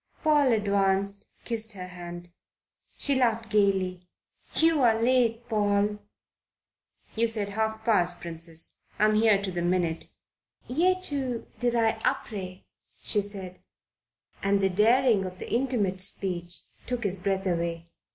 Paul advanced, kissed her hand. She laughed gaily. "You are late, Paul." "You said half past, Princess. I am here to the minute." "Je te dirai apres," she said, and the daring of the intimate speech took his breath away.